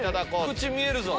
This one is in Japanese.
口見えるぞ。